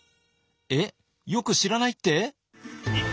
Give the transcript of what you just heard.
えっよく知らないって？